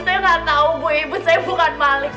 saya gak tau bu ibu saya bukan maling